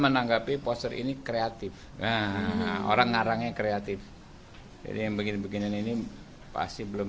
menanggapi poster ini kreatif nah orang ngarangnya kreatif jadi yang begini beginian ini pasti belum